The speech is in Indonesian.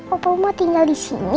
opa mau tinggal disini